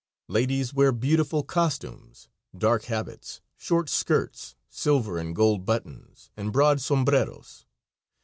Ladies wear beautiful costumes, dark habits, short skirts, silver and gold buttons, and broad sombreros.